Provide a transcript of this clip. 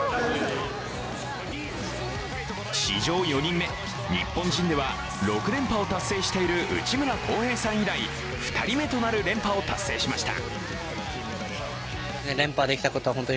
史上４人目、日本人では６連覇を達成している内村航平さん以来、２人目となる連覇を達成しました。